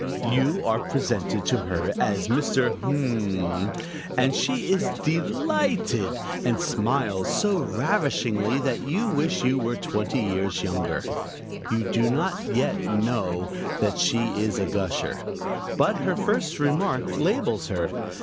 You are presented to her as "Mr. Mmmm," and she is "delighted," and smiles so ravishingly that you wish you were twenty years younger. You do not yet know that she is a gusher. But her first remark labels her.